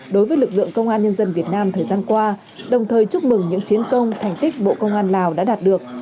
đối với lực lượng công an nhân dân việt nam thời gian qua đồng thời chúc mừng những chiến công thành tích bộ công an lào đã đạt được